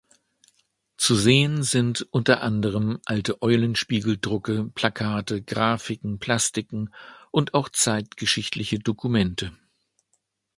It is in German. Zu sehen sind unter anderem alte Eulenspiegel-Drucke, Plakate, Grafiken, Plastiken und auch zeitgeschichtliche Dokumente.